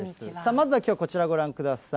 まずはきょう、こちらをご覧ください。